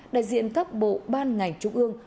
đại diện các bộ ban ngành trung ương